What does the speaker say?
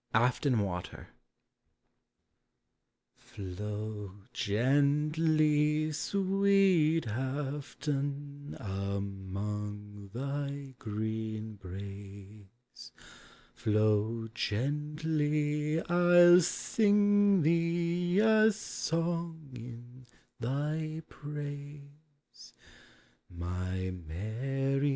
AFTON WATER. Flow gently, sweet Afton, among thy green braes ; Flow gently, I '11 sing thee a song in thy praise j My Mary